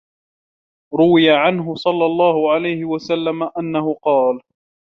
رُوِيَ عَنْهُ صَلَّى اللَّهُ عَلَيْهِ وَسَلَّمَ أَنَّهُ قَالَ